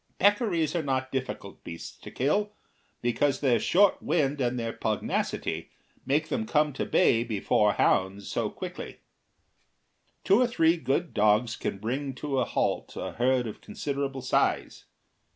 Peccaries are not difficult beasts to kill, because their short wind and their pugnacity make them come to bay before hounds so quickly. Two or three good dogs can bring to a halt a herd of considerable size.